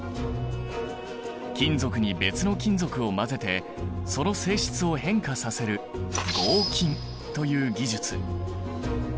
金属に別の金属を混ぜてその性質を変化させる合金という技術。